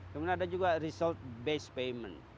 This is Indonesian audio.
kemudian ada juga result based payment